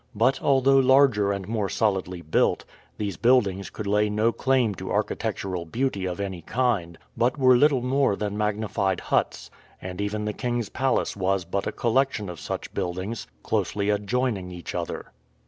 But although larger and more solidly built, these buildings could lay no claim to architectural beauty of any kind, but were little more than magnified huts, and even the king's palace was but a collection of such buildings closely adjoining each other.